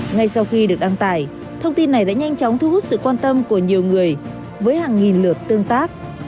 ngay sau khi được đăng tải thông tin này đã nhanh chóng thu hút sự quan tâm của nhiều người với hàng nghìn lượt tương tác